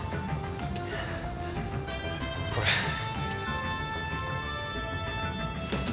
これ。